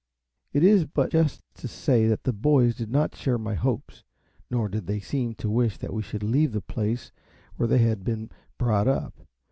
It is but just to say that the boys did not share my hopes, nor did they seem to wish that we should leave the place where they had been brought up.